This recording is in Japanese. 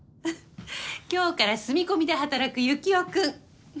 今日から住み込みで働くユキオ君。